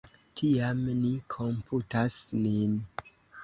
Tiam, ni komputas nin.